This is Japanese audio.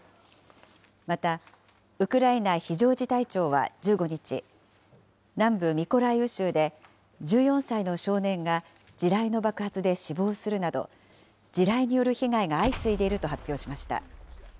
また、ウクライナ非常事態庁は１５日、南部ミコライウ州で１４歳の少年が地雷の爆発で死亡するなど、地雷による被害が相次いでいると発表しました。